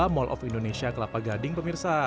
mall of indonesia kelapa gading pemirsa